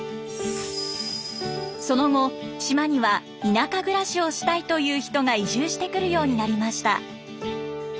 その後島には田舎暮らしをしたいという人が移住してくるようになりました。